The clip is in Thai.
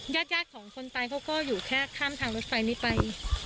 ญาติของคนตายเขาก็อยู่แค่ข้ามทางรถไฟนี้ไป